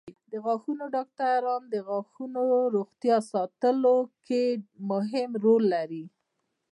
د غاښونو ډاکټران د غاښونو روغتیا ساتلو کې مهم رول لري.